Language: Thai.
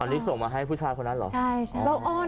อันนี้ส่งมาให้ผู้ชายคนนั้นเหรอใช่ใช่